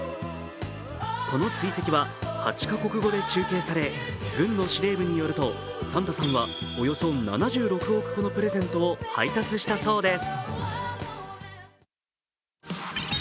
この追跡は８か国語で中継され、軍の司令部によるとサンタさんはおよそ７６億個のプレゼントを配達したそうです。